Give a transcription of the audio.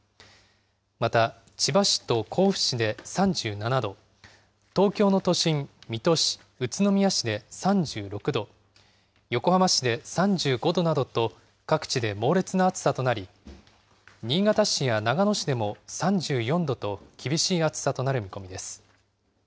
また、千葉市と甲府市で３７度、東京の都心、水戸市、宇都宮市で３６度、横浜市で３５度などと、各地で猛烈な暑さとなり、新潟市や長野市でも３４度と、厳しい暑さとなる見込みです。